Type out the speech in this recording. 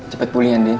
cepet pulih ya din